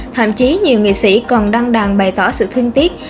thậm chí nhiều nghệ sĩ còn đăng đàn bày tỏ sự thương tiếc